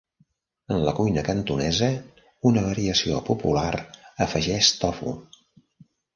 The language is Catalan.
En la cuina cantonesa, una variació popular afegeix tofu.